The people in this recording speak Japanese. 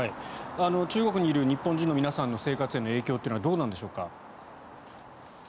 中国にいる日本人の皆さんの生活への影響はどうなんでしょうか。